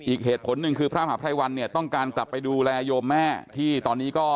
อีกเหตุผลหนึ่งคือพระมหาภัยวันเนี่ยต้องการกลับไปดูแลโยมแม่ที่ตอนนี้ก็